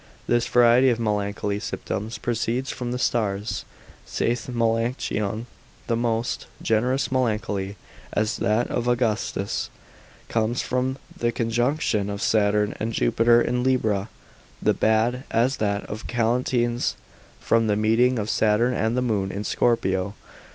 This variety of melancholy symptoms proceeds from the stars, saith Melancthon: the most generous melancholy, as that of Augustus, comes from the conjunction of Saturn and Jupiter in Libra: the bad, as that of Catiline's, from the meeting of Saturn and the moon in Scorpio.